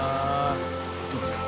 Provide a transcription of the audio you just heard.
どうですか？